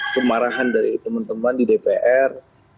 kemarahan dari teman teman di dpr